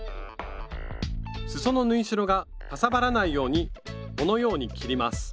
すその縫い代がかさばらないようにこのように切ります。